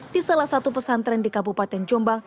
di salah satu pesantren di kabupaten jombang